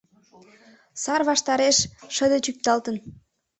Сар ваштареш, шыде чӱкталтын